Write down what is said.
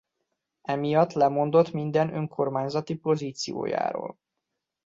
Emiatt lemondott minden önkormányzati pozíciójáról.